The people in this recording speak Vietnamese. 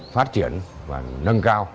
phát triển và nâng cao